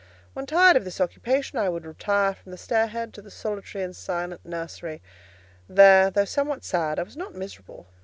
When tired of this occupation, I would retire from the stairhead to the solitary and silent nursery: there, though somewhat sad, I was not miserable.